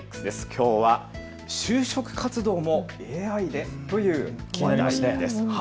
きょうは就職活動もＡＩで？という話題です。